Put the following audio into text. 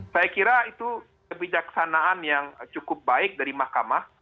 saya kira itu kebijaksanaan yang cukup baik dari mahkamah